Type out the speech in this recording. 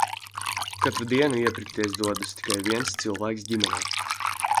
Katru dienu iepirkties dodas tikai viens cilvēks ģimenē.